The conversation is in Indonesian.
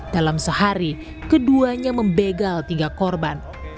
dalam sehari keduanya membegal tiga korban